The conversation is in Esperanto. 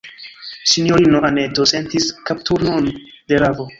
Sinjorino Anneto sentis kapturnon de ravo.